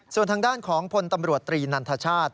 ส่วนทางด้านของพลตำรวจตรีนันทชาติ